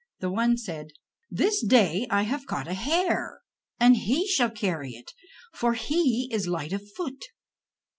The one said: "This day I have caught a hare, and he shall carry it, for he is light of foot."